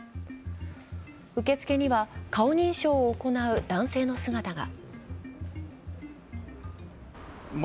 受付には顔認証を行う男性の姿が。